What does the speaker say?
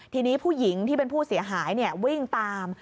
ทีนี้ผู้หญิงที่เป็นผู้เสียหายวิ่งตาม